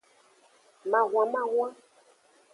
Mahwanmahwan.